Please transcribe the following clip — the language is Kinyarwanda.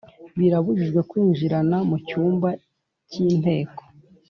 Birabujijwe kwinjirana mu cyumba cy Inteko